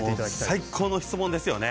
最高の質問ですよね。